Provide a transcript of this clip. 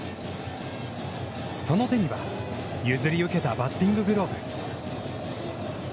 その手には、譲り受けたバッティンググローブ。